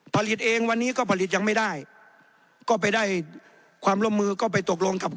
ผลิตเองวันนี้ก็ผลิตยังไม่ได้ก็ไปได้ความร่วมมือก็ไปตกลงกับ